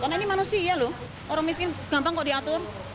karena ini manusia lho orang miskin gampang kok diatur